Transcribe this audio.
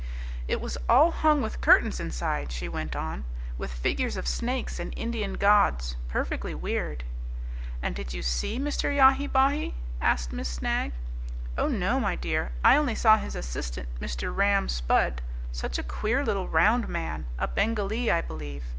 "It was all hung with curtains inside," she went on, "with figures of snakes and Indian gods, perfectly weird." "And did you see Mr. Yahi Bahi?" asked Miss Snagg. "Oh no, my dear. I only saw his assistant Mr. Ram Spudd; such a queer little round man, a Bengalee, I believe.